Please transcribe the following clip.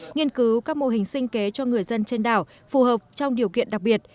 nghiên cứu các mô hình sinh kế cho người dân trên đảo phù hợp trong điều kiện đặc biệt